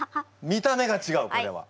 見た目がちがうこれは。